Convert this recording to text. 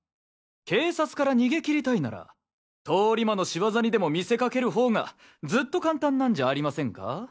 警察から逃げきりたいなら通り魔の仕業にでも見せかける方がずっと簡単なんじゃありませんか？